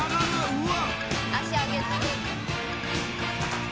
うわ」